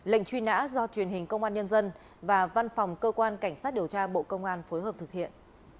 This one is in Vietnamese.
lệnh truy nã do truyền hình công an nhân dân và văn phòng cơ quan cảnh sát điều tra bộ công an phối hợp thực hiện